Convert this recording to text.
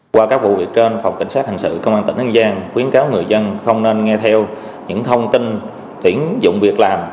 qua các vụ việc trên phòng cảnh sát thành sự công an tỉnh an giang khuyến cáo người dân không nên nghe theo những thông tin tuyển dụng việc làm